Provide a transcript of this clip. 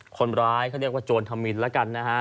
คนร้ายเขาเรียกว่าโจรธมินแล้วกันนะฮะ